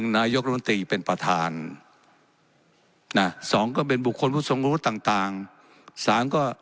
๑นายกรุงตรีเป็นประธาน๒เป็นบุคคลผู้สงครุฑต่าง